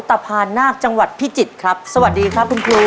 พานาคจังหวัดพิจิตรครับสวัสดีครับคุณครู